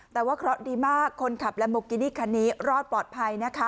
เบื่อดีมากคนขับลำโบกินี่คันนี้รอดปลอดภัย